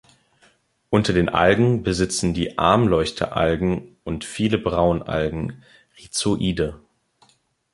Unter den Algen besitzen die Armleuchteralgen und viele Braunalgen Rhizoide.